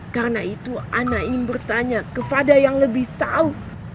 karena itu ana ingin bertanya kepada yang lebih tahu